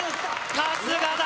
春日だ